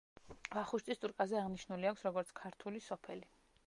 ვახუშტის რუკაზე აღნიშნული აქვს, როგორც ქართული სოფელი.